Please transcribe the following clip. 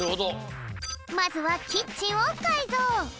まずはキッチンをかいぞう。